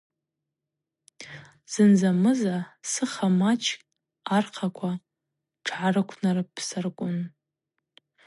Зынзамыза сыха мачкӏ архъаква тшгӏарыквнапсаркӏвун.